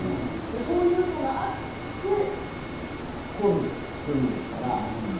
そういうのがあってコンビ組んでるから。